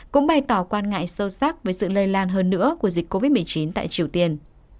cũng bày tỏ quan ngại sâu sắc với sự lây lan hơn nữa của dịch covid một mươi chín tại triều tiên